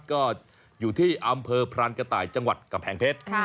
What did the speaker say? ก็อยู่ที่อำเภอพรานกระต่ายจังหวัดกำแพงเพชร